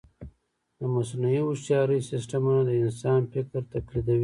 د مصنوعي هوښیارۍ سیسټمونه د انسان فکر تقلیدوي.